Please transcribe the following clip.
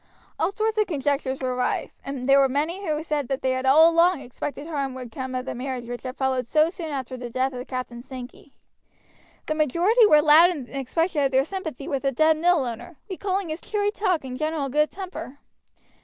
All sorts of conjectures were rife, and there were many who said that they had all along expected harm would come of the marriage which had followed so soon after the death of Captain Sankey. The majority were loud in expression of their sympathy with the dead mill owner, recalling his cheery talk and general good temper.